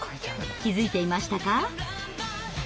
気付いていましたか？